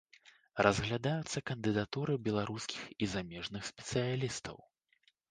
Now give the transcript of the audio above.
Разглядаюцца кандыдатуры беларускіх і замежных спецыялістаў.